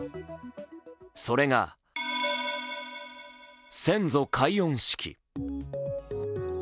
それが、先祖解怨式。